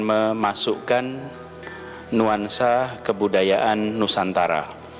memasukkan nuansa kebudayaan nusantara